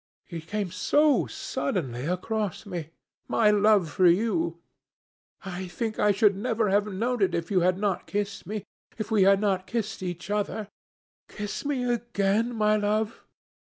It came so suddenly across me, my love for you. I think I should never have known it if you had not kissed me—if we had not kissed each other. Kiss me again, my love.